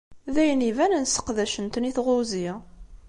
D ayen ibanen sseqdacen-ten i tɣuzi!